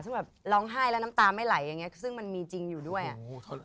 ซึ่งแบบร้องไห้แล้วน้ำตาไม่ไหลอย่างเงี้ซึ่งมันมีจริงอยู่ด้วยอ่ะ